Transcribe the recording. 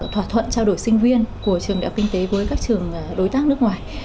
thỏa thuận trao đổi sinh viên của trường đại học kinh tế với các trường đối tác nước ngoài